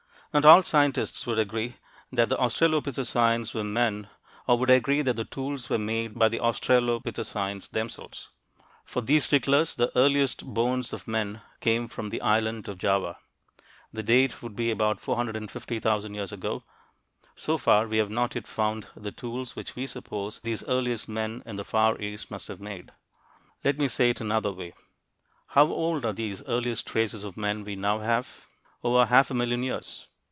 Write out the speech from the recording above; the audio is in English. Not all scientists would agree that the australopithecines were "men," or would agree that the tools were made by the australopithecines themselves. For these sticklers, the earliest bones of men come from the island of Java. The date would be about 450,000 years ago. So far, we have not yet found the tools which we suppose these earliest men in the Far East must have made. Let me say it another way. How old are the earliest traces of men we now have? Over half a million years.